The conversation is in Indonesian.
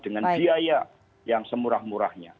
dengan biaya yang semurah murahnya